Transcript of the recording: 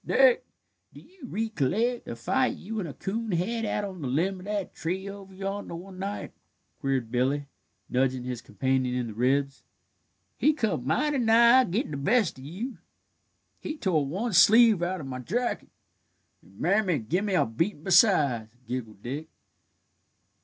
"Dick, do your ricolleck the fight you and a coon had out on the limb of that tree over yonder, one night?" queried Billy, nudging his companion in the ribs. "He come mighty nigh gittin' the best of you." "He tore one sleeve out of my jacket, and mammy gimme a beatin' besides," giggled Dick.